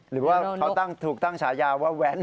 หรือว่าเขาถูกตั้งฉายาว่าแว้น